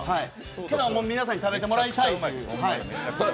今日は皆さんに食べてもらいたいと思って。